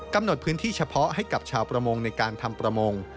พื้นที่เฉพาะให้กับชาวประมงในการทำประมง